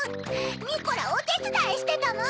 ニコラおてつだいしてたもん！